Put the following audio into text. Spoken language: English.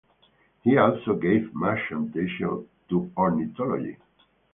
He also gave much attention to ornithology.